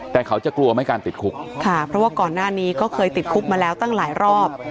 แต่เขาจะกลัวไหมการติดคุกค่ะเพราะว่าก่อนหน้านี้ก็เคยติดคุกมาแล้วตั้งหลายรอบ